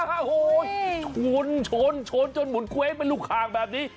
โอ้โหชนชนชนจนหมุนเว้งเป็นลูกคางแบบนี้